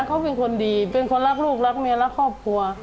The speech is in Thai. เขาเป็นคนดีเป็นคนรักลูกรักเมียรักครอบครัว